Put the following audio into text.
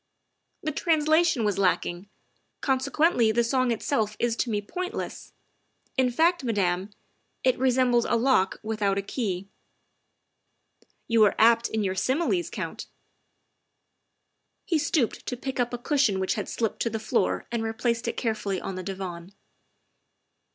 " The translation was lacking, consequently the song itself is to me pointless. In fact, Madame, it resembles a lock without a key. ''" You are apt in your similes, Count." He stooped to pick up a cushion which had slipped to the floor and replaced it carefully on the divan.